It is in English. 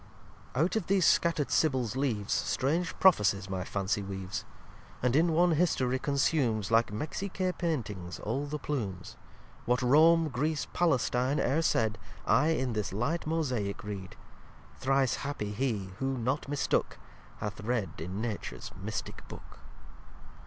lxxiii Out of these scatter'd Sibyls Leaves Strange Prophecies my Phancy weaves: And in one History consumes, Like Mexique Paintings, all the Plumes. What Rome, Greece, Palestine, ere said I in this light Mosaick read. Thrice happy he who, not mistook, Hath read in Natures mystick Book.